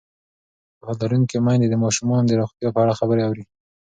پوهه لرونکې میندې د ماشومانو د روغتیا په اړه خبرې اوري.